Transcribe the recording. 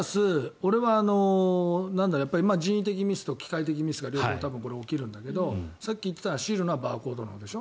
俺は人為的ミスと機械的ミスが両方多分これは起きるんだけどさっき言っていたシールはバーコードのほうでしょ。